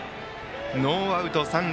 ノーアウト、三塁。